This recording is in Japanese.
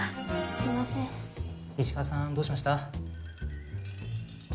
すいません石川さんどうしました？